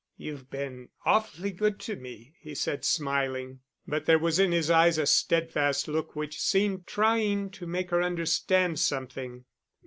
"You've been awfully good to me," he said, smiling; but there was in his eyes a steadfast look, which seemed trying to make her understand something.